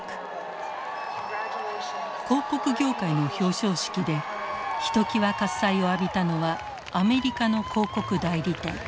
広告業界の表彰式でひときわ喝采を浴びたのはアメリカの広告代理店。